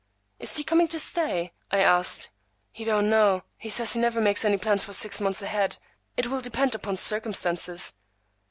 "Is he coming to stay?" I asked. "He don't know. He says he never makes any plans for six months ahead. It will depend upon circumstances."